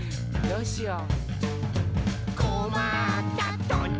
「どうしよう？」